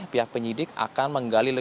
pihak penyidik akan menggali